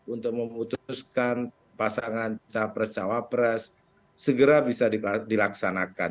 untuk memutuskan pasangan capres cawapres segera bisa dilaksanakan